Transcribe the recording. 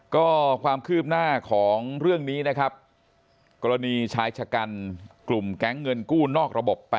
ก็ความคืบหน้าของเรื่องนี้นะครับกรณีชายชะกันกลุ่มแก๊งเงินกู้นอกระบบ๘